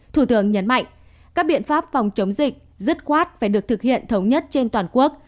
thủ tướng nhấn mạnh các biện pháp phòng chống dịch dứt khoát phải được thực hiện thống nhất trên toàn quốc